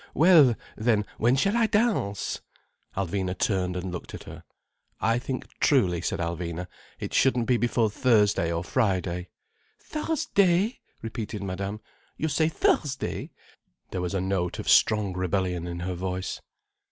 Well, then when shall I dance?" Alvina turned and looked at her. "I think, truly," said Alvina, "it shouldn't be before Thursday or Friday." "Thursday!" repeated Madame. "You say Thursday?" There was a note of strong rebellion in her voice.